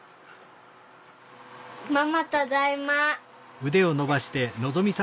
ママただいま。